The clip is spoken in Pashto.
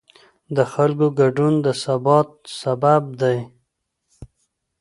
د خلکو ګډون د ثبات سبب دی